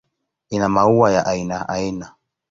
Ina maua ya aina aina.